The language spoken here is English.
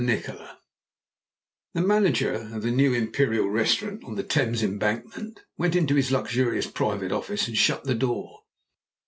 NIKOLA The manager of the new Imperial Restaurant on the Thames Embankment went into his luxurious private office and shut the door.